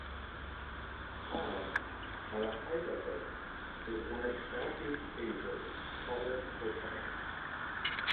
Pei, at a height of it is one of Southeast Asia's tallest hotels.